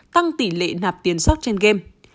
tăng tỷ lệ nạp tiền soc trên game